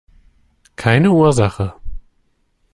Keine Ursache!